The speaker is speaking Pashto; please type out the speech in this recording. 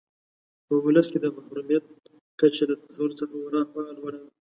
په ولس کې د محرومیت کچه له تصور څخه ورهاخوا لوړه ده.